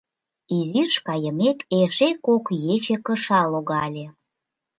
Изиш кайымек, эше кок ече кыша логале.